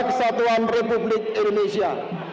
kepala kesatuan republik indonesia